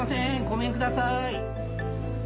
ごめんください。